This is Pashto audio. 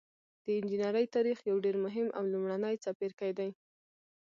د انجنیری تاریخ یو ډیر مهم او لومړنی څپرکی دی.